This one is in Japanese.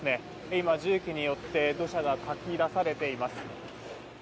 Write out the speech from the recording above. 今、重機によって土砂がかき出されています。